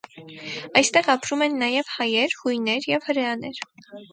Այստեղ ապրում են նաև հայեր, հույներ և հրեաներ։